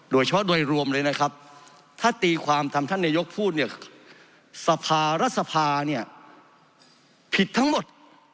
โดยเฉพาะโดยรวมเลยนะครับถ้าตีความตามท่านนายกพูดเนี่ยสภารัฐสภาเนี่ยผิดทั้งหมด